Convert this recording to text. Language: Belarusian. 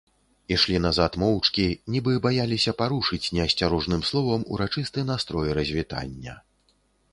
Ішлі назад моўчкі, нібы баяліся парушыць неасцярожным словам урачысты настрой развітання.